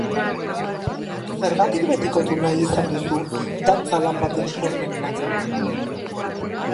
Zergatik betikotu nahi izan duzu dantza lan baten sormen lana?